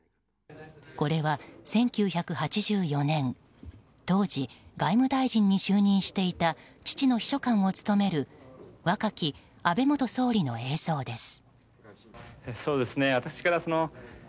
これは１９８４年当時、外務大臣に就任していた父の秘書官を務める若き安倍元総理の映像です。